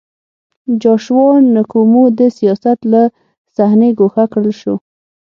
جاشوا نکومو د سیاست له صحنې ګوښه کړل شو.